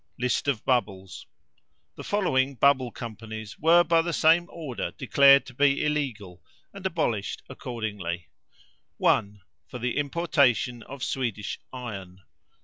LIST OF BUBBLES. The following Bubble Companies were by the same order declared to be illegal, and abolished accordingly: 1. For the importation of Swedish iron.